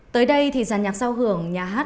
tới đây thì gia nhập giao hưởng nhà hát